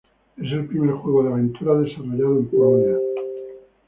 Es el primer juego de aventuras desarrollado en Polonia.